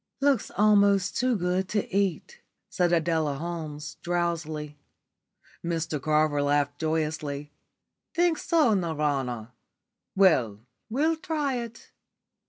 "Looks almost too good to eat," said Adela Holmes, drowsily. Mr Carver laughed joyously. "Think so, Nirvana? Well, we'll try it."